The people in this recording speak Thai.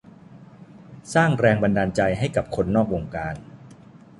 สร้างแรงบันดาลใจให้กับคนนอกวงการ